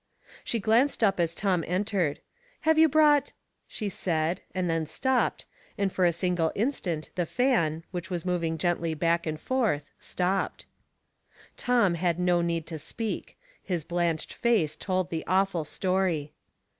She glanced up as Tom entered. " Have you brought —" she said, and then stopped, and for a single instant the fan, which was moving gently back and forth, stopped. Tom had no need to speak ; his blanched face told the awful story.